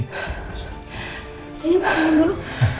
ini ini dulu